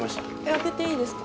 開けていいですか？